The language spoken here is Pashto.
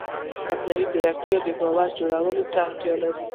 مصنوعي ځیرکتیا د باور جوړولو ته اړتیا لري.